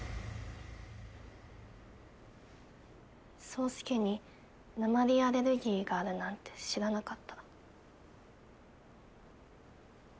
宗介に鉛アレルギーがあるなんて知らなかった。